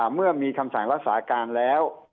เมื่อมีคำสั่งรักษาการแล้ว